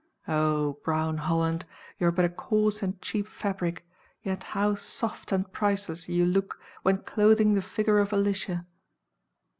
O Brown Holland you are but a coarse and cheap fabric, yet how soft and priceless you look when clothing the figure of Alicia!